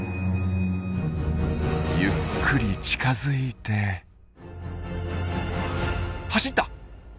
ゆっくり近づいて走った！